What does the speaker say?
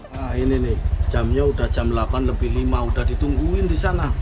nah ini nih jamnya sudah jam delapan lebih lima sudah ditungguin di sana